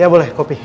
ya boleh kopi